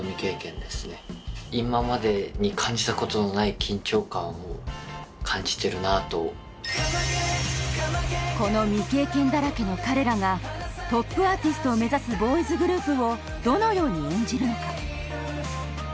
僕自身を感じてるなとこの未経験だらけの彼らがトップアーティストを目指すボーイズグループをどのように演じるのか？